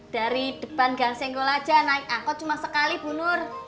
dari depan gangsenggol aja naik angkot cuma sekali bu nur